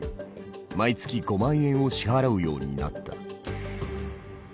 毎月５万円を支払うようになった。